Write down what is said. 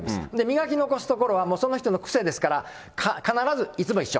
磨き残す所はその人の癖ですから、必ずいつも一緒。